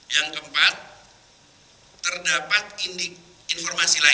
yang keempat terdapat informasi lain